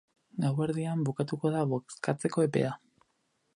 Gauerdian bukatuko da bozkatzeko epea.